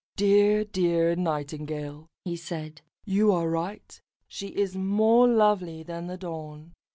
"Dear, dear Nightingale," he said, "you are right. She is more lovely than the dawn.